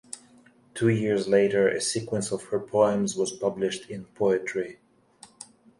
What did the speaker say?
Two years later, a sequence of her poems was published in "Poetry".